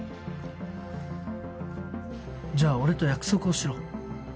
じゃあ俺と約束をしろ。